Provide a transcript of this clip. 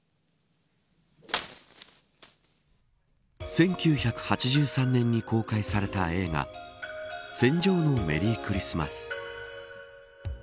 １９８３年に公開された映画戦場のメリークリスマス。